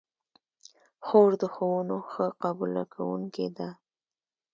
خور د ښوونو ښه قبوله کوونکې ده.